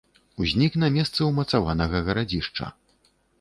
Узнік на месцы ўмацаванага гарадзішча.